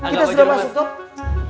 kita sudah masuk toh